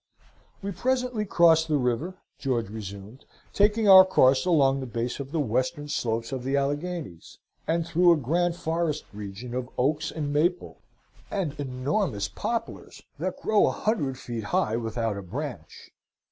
"We presently crossed the river" George resumed, "taking our course along the base of the western slopes of the Alleghanies; and through a grand forest region of oaks and maple, and enormous poplars that grow a hundred feet high without a branch.